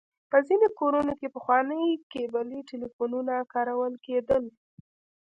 په ځينې کورونو کې پخواني کيبلي ټليفونونه کارول کېدل.